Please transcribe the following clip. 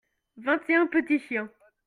vingt et un petits chiens.